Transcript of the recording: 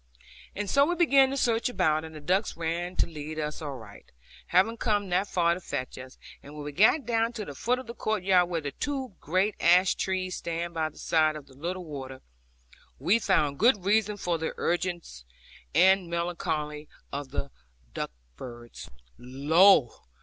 And so we began to search about, and the ducks ran to lead us aright, having come that far to fetch us; and when we got down to the foot of the court yard where the two great ash trees stand by the side of the little water, we found good reason for the urgence and melancholy of the duck birds. Lo!